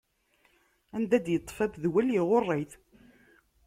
Anda d-yeṭṭef amedwel, iɣuṛṛ-it.